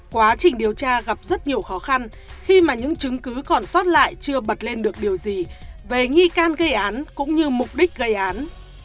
quá trình điều tra gặp rất nhiều khó khăn khi mà những chứng cứ còn sót lại chưa bật lên được điều gì về nghi can gây án cũng như mục đích gây án